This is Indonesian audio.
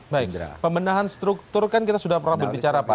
baik pembenahan struktur kan kita sudah pernah berbicara pak